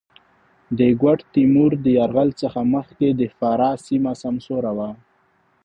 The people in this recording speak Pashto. د ګوډ تېمور د یرغل څخه مخکې د فراه سېمه سمسوره وه.